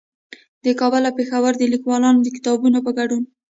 د کابل او پېښور د ليکوالانو د کتابونو په ګډون